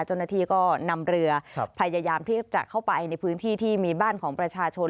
เจ้าหน้าที่ก็นำเรือพยายามที่จะเข้าไปในพื้นที่ที่มีบ้านของประชาชน